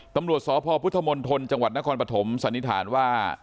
ตำรวจสพพุทธมณฑลจังหวัดนครปฐมสันนิษฐานว่า